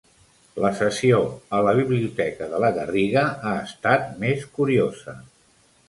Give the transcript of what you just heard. La sessió a la Biblioteca de La Garriga ha estat més curiosa.